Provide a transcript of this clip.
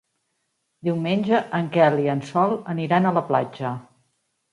Diumenge en Quel i en Sol aniran a la platja.